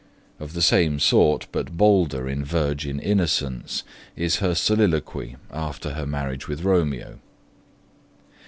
Of the same sort, but bolder in virgin innocence, is her soliloquy after her marriage with Romeo.